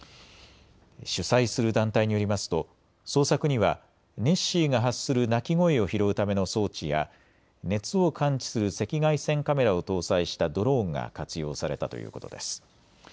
主催する団体によりますと捜索にはネッシーが発する鳴き声を拾うための装置や熱を感知する赤外線カメラを搭載したドローンが活用されたということです。